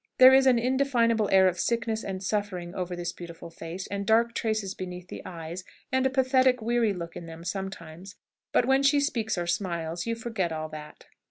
There is an indefinable air of sickness and suffering over this beautiful face, and dark traces beneath the eyes, and a pathetic, weary look in them sometimes; but, when she speaks or smiles, you forget all that.